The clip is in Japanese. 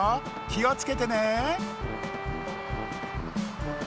きをつけてね。